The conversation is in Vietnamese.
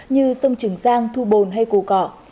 như sông trường giang thu bồn hay cổ cỏ